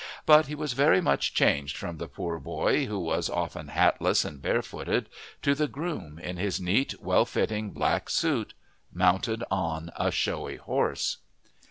But he was very much changed from the poor boy, who was often hatless and barefooted, to the groom in his neat, well fitting black suit, mounted on a showy horse.